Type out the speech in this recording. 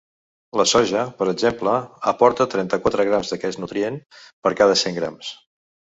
La soja, per exemple, aporta trenta-quatre grams d’aquest nutrient per cada cent grams.